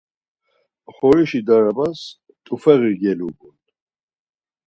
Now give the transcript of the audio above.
Oxorişi darabas t̆ufeği gelobun.